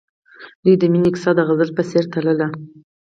د دوی د مینې کیسه د غزل په څېر تلله.